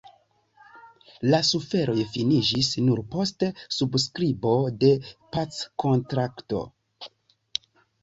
La suferoj finiĝis nur post subskribo de packontrakto.